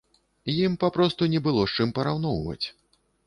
Ім папросту не было з чым параўноўваць!